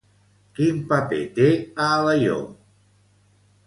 Quin paper té a Alaior?